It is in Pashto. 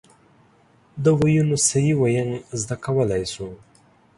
د ویونو صحیح وینګ زده کولای شو.